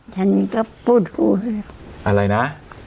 ฉันก็ปวดหัวอะไรนะ